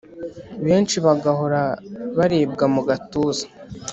Benshi bagahora baribwa mugatuza